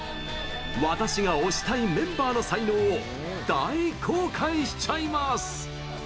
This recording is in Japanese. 「私が推したいメンバーの才能」を大公開しちゃいます！